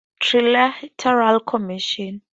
He is a member of the Trilateral Commission.